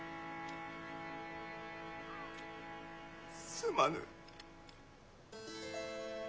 すまぬ。